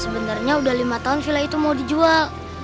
sebenarnya udah lima tahun villa itu mau dijual